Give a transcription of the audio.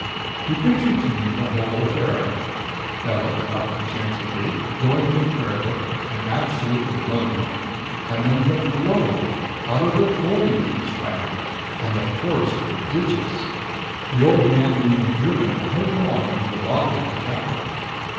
He pictured to me the whole affair Bellett, up at the chancel gate, going for the prayer book, and absolutely alone; and then the blow, out of the Void, he described it; and the force prodigious the old man being driven headlong into the body of the Chapel.